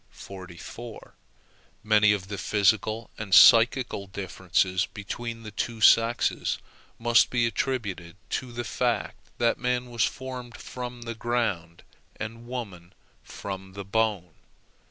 Many of the physical and psychical differences between the two sexes must be attributed to the fact that man was formed from the ground and woman from bone.